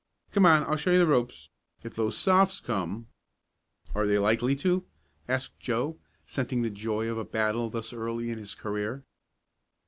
"Come on, and I'll show you the ropes. If those Sophs. come " "Are they likely to?" asked Joe, scenting the joy of a battle thus early in his career.